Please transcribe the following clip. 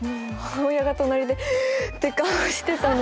母親が隣で「え！」って顔してたので。